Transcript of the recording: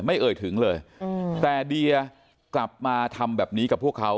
เอ่ยถึงเลยแต่เดียกลับมาทำแบบนี้กับพวกเขา